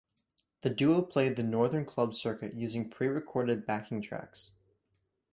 The duo played the Northern club circuit using pre-recorded backing tracks.